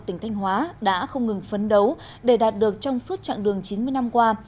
tỉnh thanh hóa đã không ngừng phấn đấu để đạt được trong suốt chặng đường chín mươi năm qua